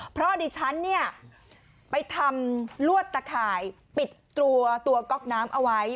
เพราะดิฉันเนี่ยไปทำลวดตะข่ายปิดตัวตัวก๊อกน้ำเอาไว้